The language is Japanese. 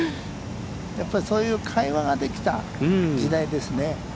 やっぱりそういう会話ができた時代ですね。